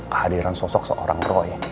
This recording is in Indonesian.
kehadiran sosok seorang roy